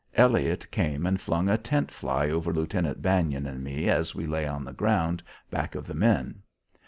Elliott came and flung a tent fly over Lieutenant Bannon and me as we lay on the ground back of the men.